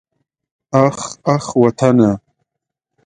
اخ اخ وطنه.